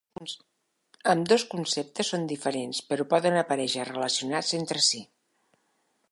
Ambdós conceptes són diferents, però poden aparèixer relacionats entre si.